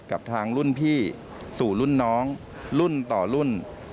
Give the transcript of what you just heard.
กับทางรุ่นพี่สู่รุ่นน้องรุ่นต่อรุ่น